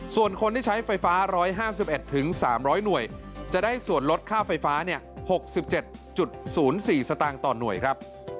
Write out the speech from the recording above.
ส่วนคนที่ใช้ไฟฟ้า๑๕๑๓๐๐หน่วยจะได้ส่วนลดค่าไฟฟ้า๖๗๐๔สตางค์ต่อหน่วยครับ